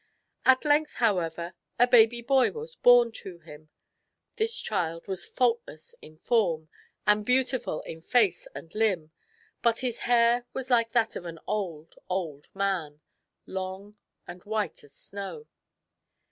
At length, however, a baby boy was born to him. This child was faultless in form 2l6 THE WHITE HEADED ZAL 217 and beautiful in face and limb, but his hair was like that of an old, old man — long, and white as snow.